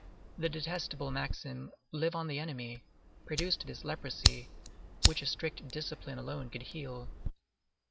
The detestable maxim, Live on the enemy! produced this leprosy, which a strict discipline alone could heal.